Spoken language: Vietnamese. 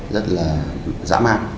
rất là dã man